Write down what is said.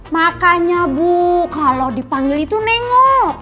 makanya bu kalau dipanggil itu nengok